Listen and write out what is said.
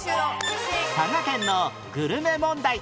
佐賀県のグルメ問題